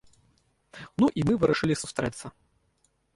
Ну, і мы вырашылі сустрэцца.